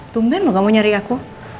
tumpen loh kamu nyariin aku